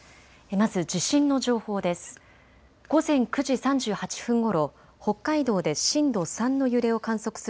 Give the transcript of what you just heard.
まず地震の情報です。